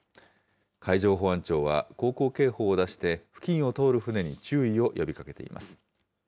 海上保安庁は航行警報を出して、付近を通る船に注意を呼びかけています。